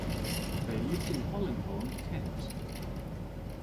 They lived in Hollingbourne, Kent.